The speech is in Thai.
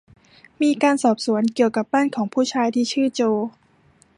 มีการสอบสวนเกี่ยวกับบ้านของผู้ชายที่ชื่อโจ